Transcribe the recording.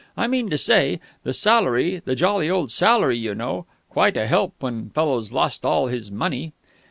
I mean to say, the salary, the jolly old salary, you know ... quite a help when a fellow's lost all his money!"